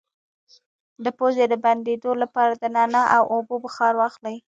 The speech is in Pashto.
د پوزې د بندیدو لپاره د نعناع او اوبو بخار واخلئ